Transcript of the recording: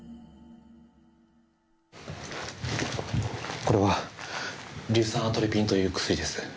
これは硫酸アトロピンという薬です。